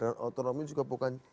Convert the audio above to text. badan otonomi juga bukan